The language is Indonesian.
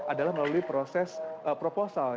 adalah melalui proses proposal